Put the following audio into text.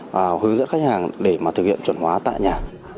và hướng dẫn khách hàng để mà thực hiện chuẩn hóa tại nhà